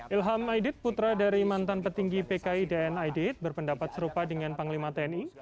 ilham aidit putra dari mantan petinggi pki dn aidid berpendapat serupa dengan panglima tni